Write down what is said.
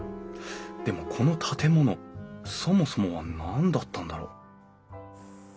でもこの建物そもそもは何だったんだろう？